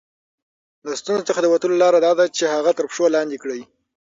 له ستونزو څخه د وتلو لاره دا ده چې هغه تر پښو لاندې کړئ.